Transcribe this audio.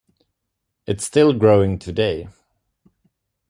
It is still growing today.